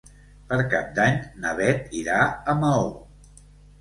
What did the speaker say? Per Cap d'Any na Beth irà a Maó.